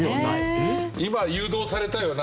今誘導されたよな。